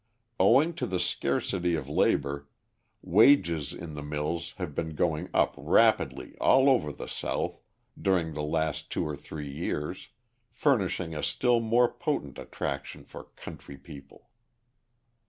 Owing to the scarcity of labour, wages in the mills have been going up rapidly all over the South, during the last two or three years, furnishing a still more potent attraction for country people.